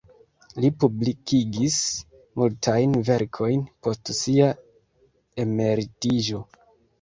Li publikigis multajn verkojn post sia emeritiĝo.